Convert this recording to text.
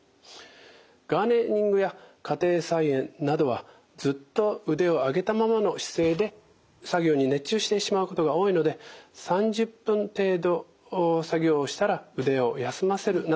ガーデニングや家庭菜園などはずっと腕を上げたままの姿勢で作業に熱中してしまうことが多いので３０分程度作業をしたら腕を休ませるなど意識して作業をしましょう。